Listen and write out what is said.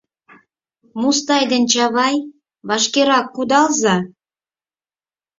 Мустай ден Чавай, вашкерак кудалза!